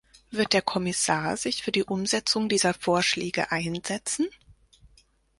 Wird der Kommissar sich für die Umsetzung dieser Vorschläge einsetzen?